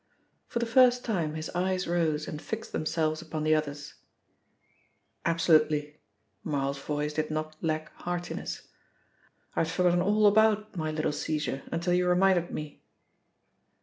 For the first time his eyes rose and fixed themselves upon the other's. "Absolutely." Marl's voice did not lack heartiness. "I had forgotten all about my little seizure until you reminded me."